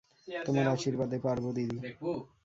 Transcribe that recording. তোমার আশীর্বাদে পারব দিদি।